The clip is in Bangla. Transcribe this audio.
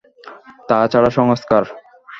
তা ছাড়া সংস্কার।